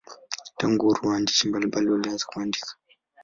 Tangu uhuru waandishi mbalimbali walianza kuandika.